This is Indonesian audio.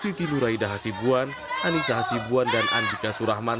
siti nuraida hasibuan anissa hasibuan dan andika surahman